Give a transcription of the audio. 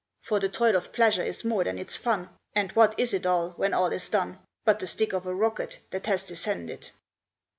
For the toil of pleasure is more than its fun, And what is it all, when all is done, But the stick of a rocket that has descended?"